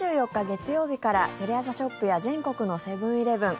月曜日からテレ朝ショップや全国のセブン−イレブン